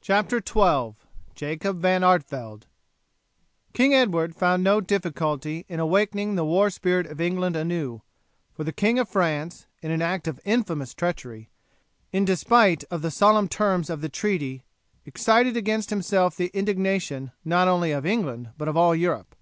CHAPTER XII: JACOB VAN ARTEVELDE King Edward found no difficulty in awakening the war spirit of England anew, for the King of France, in an act of infamous treachery, in despite of the solemn terms of the treaty, excited against himself the indignation not only of England but of all Europe.